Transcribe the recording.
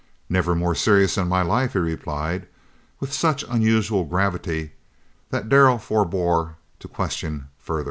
"Never more serious in my life," he replied, with such unusual gravity that Darrell forbore to question further.